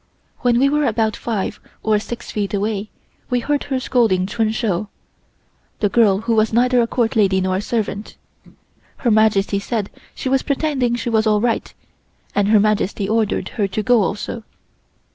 When we were about five or six feet away we heard her scolding Chun Shou (the girl who was neither a Court lady nor a servant). Her Majesty said she was pretending she was all right, and Her Majesty ordered her to go also.